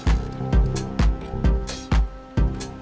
kita menghadap bang edi sekarang